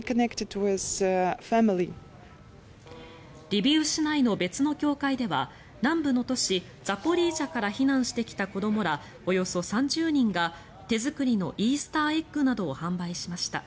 リビウ市内の別の教会では南部の都市ザポリージャから避難してきた子どもらおよそ３０人が手作りのイースターエッグなどを販売しました。